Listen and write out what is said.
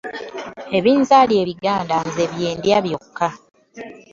Ebinzaali ebiganda nze byokka bye ndya.